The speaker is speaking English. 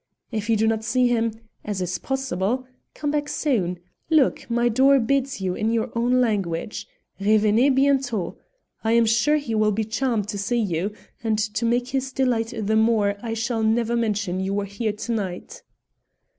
"If you do not see him as is possible come back soon; look! my door bids you in your own language Revenez bientôt. I am sure he will be charmed to see you, and to make his delight the more I shall never mention you were here tonight."